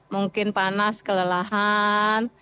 mungkin panas kelelahan